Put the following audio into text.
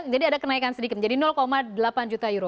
jadi ada kenaikan sedikit jadi delapan juta euro